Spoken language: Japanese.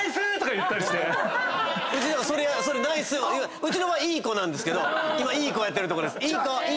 うちそれ「ナイス」うちの場合「いい子」なんですけど今「いい子」やってるとこです。